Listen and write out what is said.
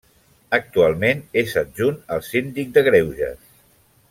Actualment és adjunt al Síndic de Greuges.